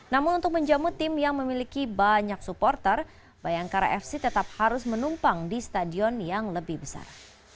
namun untuk menjamu tim yang memiliki banyak supporter bayangkara fc tetap harus menumpang di stadion yang lebih besar